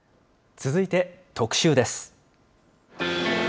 続いて特集です。